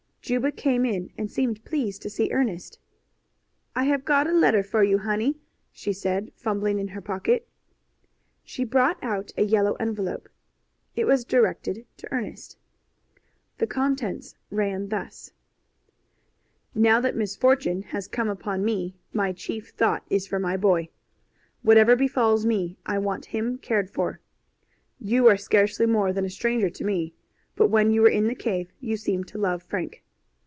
Juba came in and seemed pleased to see Ernest. "I have got a letter for you, honey," she said, fumbling in her pocket. She brought out a yellow envelope. It was directed to Ernest. The contents ran thus: Now that misfortune has come upon me my chief thought is for my boy. Whatever befalls me I want him cared for. You are scarcely more than a stranger to me, but when you were in the cave you seemed to love Frank.